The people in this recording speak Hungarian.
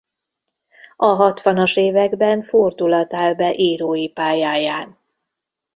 A hatvanas években fordulat áll be írói pályáján.